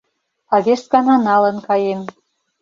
А вес гана налын каем.